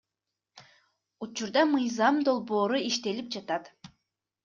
Учурда мыйзам долбоору иштелип жатат.